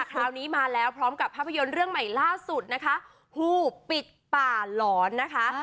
คราวนี้มาแล้วพร้อมกับภาพยนตร์เรื่องใหม่ล่าสุดนะคะผู้ปิดป่าหลอนนะคะ